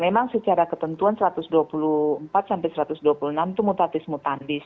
memang secara ketentuan satu ratus dua puluh empat sampai satu ratus dua puluh enam itu mutatis mutandis